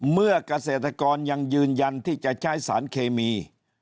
เมื่อเกษตรกรยังยืนยันที่จะใช้สารเคมี